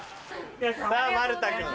さぁ丸田君。